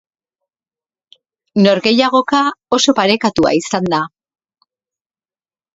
Norgehiagoka oso parekatua izan da.